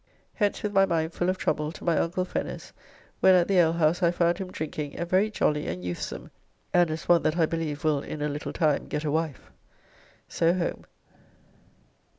Hence, with my mind full of trouble, to my uncle Fenner's, when at the alehouse I found him drinking and very jolly and youthsome, and as one that I believe will in a little time get a wife. So home.